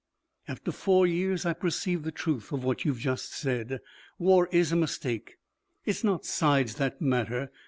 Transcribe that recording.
"After four years I perceived the truth of what you have just said. War is a mistake. It is not sides that matter.